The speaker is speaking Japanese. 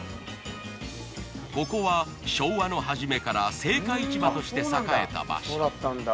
ここは昭和のはじめから青果市場として栄えた場所。